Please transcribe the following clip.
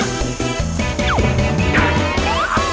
สลิดน้อย๓ซ่ากันด้วย